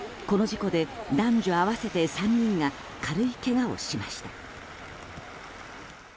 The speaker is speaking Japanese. この事故で男女合わせて３人が軽いけがをしました。